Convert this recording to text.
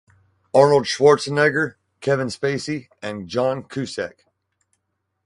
Arnold Schwarzenegger, Kevin Spacey, and John Cusack.